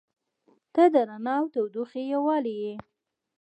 • ته د رڼا او تودوخې یووالی یې.